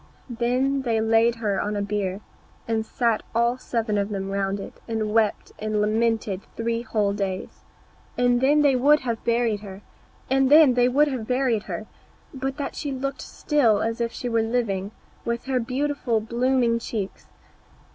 Then they laid her on a bier, and sat all seven of them round it, and wept and lamented three whole days. And then they would have buried her, but that she looked still as if she were living, with her beautiful blooming cheeks.